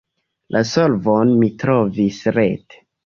La solvon mi trovis rete.